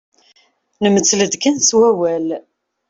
Nmettel-d kan s wawal.